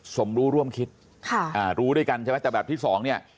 สมรู้ร่วมคิดค่ะอ่ารู้ด้วยกันใช่ไหมแต่แบบที่สองเนี่ย